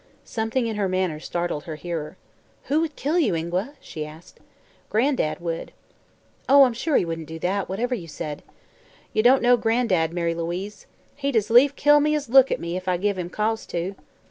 Something in her manner startled her hearer. "Who would kill you, Ingua?" she asked. "Gran'dad would." "Oh, I'm sure he wouldn't do that, whatever you said." "Ye don't know Gran'dad, Mary Louise. He'd as lief kill me as look at me, if I give him cause to."